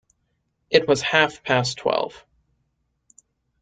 It was half-past twelve.